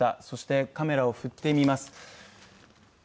そして、カメラを振ってみます。